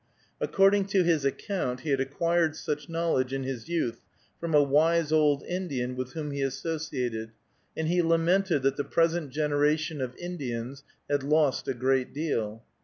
According to his account, he had acquired such knowledge in his youth from a wise old Indian with whom he associated, and he lamented that the present generation of Indians "had lost a great deal."